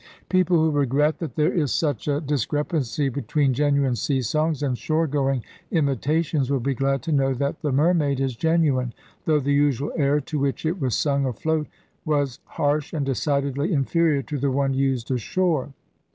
People who regret that there is such a dis crepancy between genuine sea songs and shore going imitations will be glad to know that the Mermaid is genuine, though the usual air to which it was sung afloat was harsh and decidedly inferior to the one used ashore.